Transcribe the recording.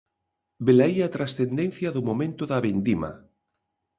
Velaí a transcendencia do momento da vendima.